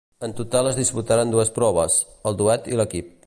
En total es disputaran dues proves, el duet i l'equip.